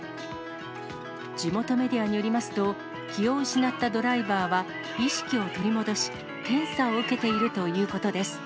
地元メディアによりますと、気を失ったドライバーは意識を取り戻し、検査を受けているということです。